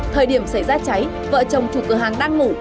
thời điểm xảy ra cháy vợ chồng chủ cửa hàng đang ngủ